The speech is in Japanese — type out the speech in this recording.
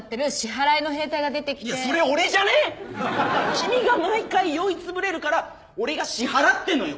君が毎回酔い潰れるから俺が支払ってんのよ